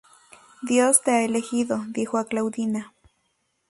Dios te ha elegido" dijo a Claudina.